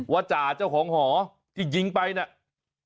จ่าเจ้าของหอที่ยิงไปเนี่ย